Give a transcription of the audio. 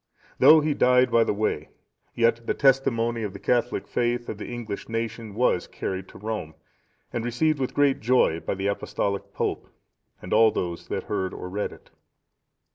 Though he died by the way, yet the testimony of the Catholic faith of the English nation was carried to Rome, and received with great joy by the Apostolic Pope, and all those that heard or read it.